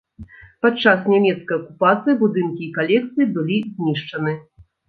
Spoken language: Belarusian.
Падчас нямецкай акупацыі будынкі і калекцыі былі знішчаны.